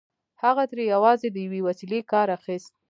هغه ترې يوازې د يوې وسيلې کار اخيست.